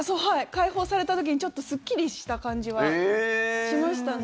解放された時にちょっとすっきりした感じはしましたね。